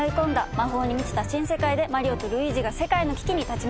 魔法に満ちた新世界でマリオとルイージが世界の危機に立ち向かいます。